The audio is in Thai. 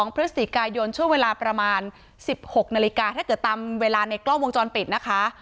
พฤศจิกายนช่วงเวลาประมาณ๑๖นาฬิกาถ้าเกิดตามเวลาในกล้องวงจรปิดนะคะ